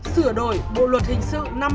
sửa đổi bộ luật hình sự năm hai nghìn một mươi năm